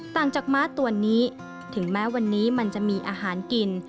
ต่างจากม้าตัวนี้ถึงแม้วันนี้มันจะมีอาหารกิน